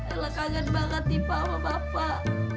elah kangen banget tiba sama bapak